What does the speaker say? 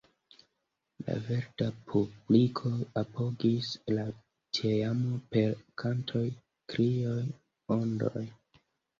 La verda publiko apogis la teamon per kantoj, krioj, ondoj.